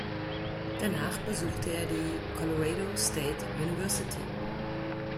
Danach besuchte er die Colorado State University.